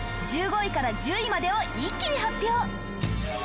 １５位から１０位までを一気に発表！